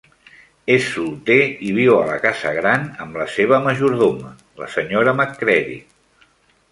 És solter i viu a la casa gran amb la seva majordona, la Sra. Macready.